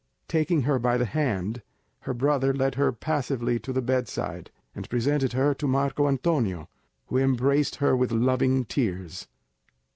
Taking her by the hand, her brother led her passively to the bed side, and presented her to Marco Antonio, who embraced her with loving tears.